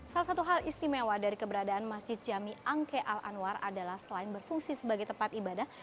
salah satu hal istimewa dari keberadaan masjid jami angke al anwar adalah selain berfungsi sebagai tempat ibadah